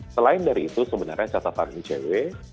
selain dari itu sebenarnya catatan icw